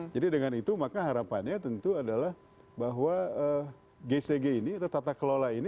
jadi dengan itu maka harapannya tentu adalah bahwa gcg ini atau tata kelola ini